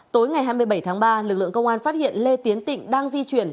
tối ngày hai mươi bảy tháng ba lực lượng công an phát hiện lê tiến tịnh đang di chuyển